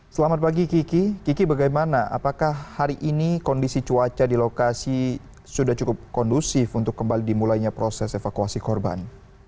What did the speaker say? selamat pagi kiki kiki bagaimana apakah hari ini kondisi cuaca di lokasi sudah cukup kondusif untuk kembali dimulainya proses evakuasi korban